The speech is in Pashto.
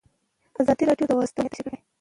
ازادي راډیو د ورزش ستر اهميت تشریح کړی.